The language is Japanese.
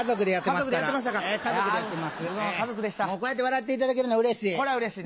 こうやって笑っていただけるのうれしい！